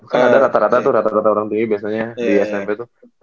kan ada rata rata tuh rata rata orang tinggi biasanya di smp tuh